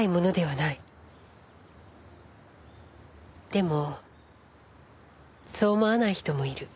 でもそう思わない人もいる。